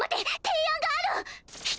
提案がある。